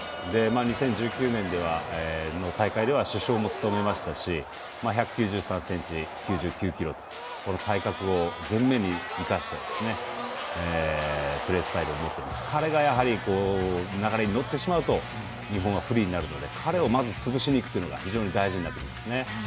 ２０１９年の大会では主将も務めましたし１９３ｃｍ、９９ｋｇとこの体格を全面に生かしたプレースタイルを持ってますから彼が流れに乗ってしまうと日本は不利になるので彼をまず潰しに行くのが非常に大事になってきますね。